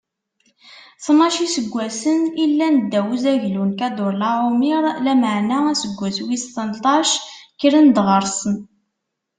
Tnac n iseggasen i llan ddaw n uzaglu n Kadurlaɛumir, lameɛna aseggas wis tleṭṭac, kkren-d ɣur-s.